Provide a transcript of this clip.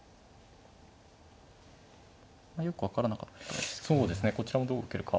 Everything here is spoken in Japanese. よく分からなかったですけど。